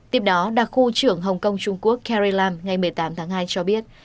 tiếp đó đặc khu trưởng hồng kông trung quốc carrie lam ngày một mươi tám tháng hai cho biết